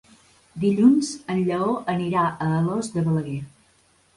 Dilluns en Lleó anirà a Alòs de Balaguer.